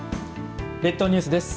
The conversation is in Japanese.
列島ニュースです。